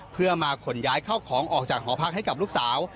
เพื่อมาขนย้ายเข้าของออกจากหอพักให้กับลูกสาว